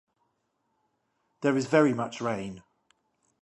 There is very much rain.